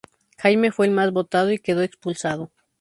Jaime fue el más votado y quedó expulsado.